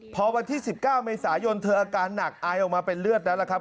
พอวันที่๑๙เมษายนเธออาการหนักอายออกมาเป็นเลือดแล้วล่ะครับ